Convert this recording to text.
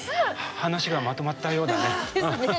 話がまとまったようだね。